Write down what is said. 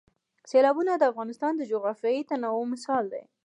سیلابونه د افغانستان د جغرافیوي تنوع مثال دی.